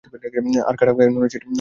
আর কাটা গায়ে নুনের ছিটে দিও না।